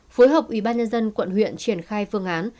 phối hợp ủy ban nhân dân quận huyện triển khai phương án